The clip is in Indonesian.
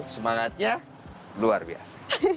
semangatnya luar biasa